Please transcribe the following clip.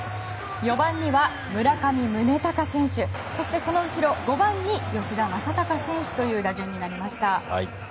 ４番には村上宗隆選手そしてその後ろ、５番に吉田正尚選手という打順になりました。